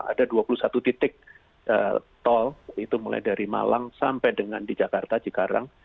ada dua puluh satu titik tol itu mulai dari malang sampai dengan di jakarta cikarang